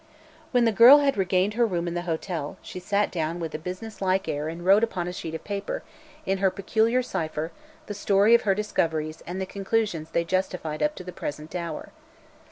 When the girl had regained her room in the hotel, she sat down with a businesslike air and wrote upon a sheet of paper, in her peculiar cypher, the story of her discoveries and the conclusions they justified up to the present hour.